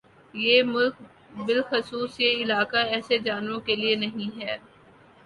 یہ ملک بلخصوص یہ علاقہ ایسے جانوروں کے لیے نہیں ہے